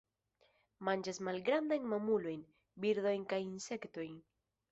Manĝas malgrandajn mamulojn, birdojn kaj insektojn.